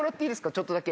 ちょっとだけ。